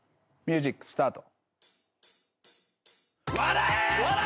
ミュージックスタート。